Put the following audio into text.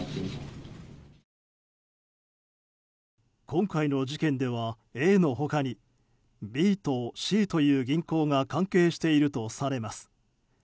今回の事件ではＡの他にＢとＣという銀行が関係しているとされます。